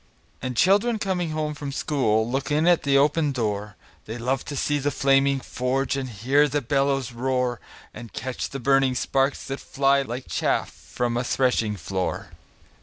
And children coming home from school Look in at the open door; They love to see the flaming forge, And bear the bellows roar, And catch the burning sparks that fly Like chaff from a threshing floor.